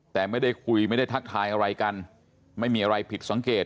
แต่ไม่ได้คุยไม่ได้ทักทายอะไรกันไม่มีอะไรผิดสังเกต